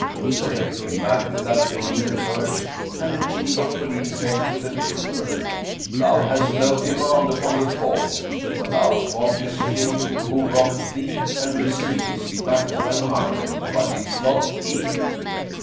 So they came back without bringing the purse; and the Chief of Police said to the trooper, "Thou hast no demand upon the folk; for thou fondest him who robbed thee and receivedst back thy money, but didst not keep it."